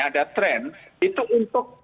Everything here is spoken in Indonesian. ada trend itu untuk